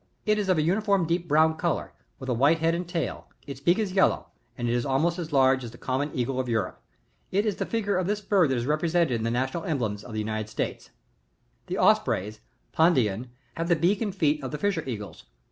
It is of a uniform deep brown colour, with a white head and tail ; its beak is yellow and it is almost as large as the common eagle of Europe. It is the figure of this bird that is represented in the national emblems of the United St^s. 48. The Ospreys, — Pandion^ — have the beak and feet of the Fisher Eagles.